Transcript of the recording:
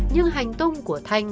nhưng hành tung của thanh